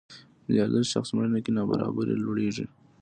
میلیاردر شخص مړینه کې نابرابري لوړېږي.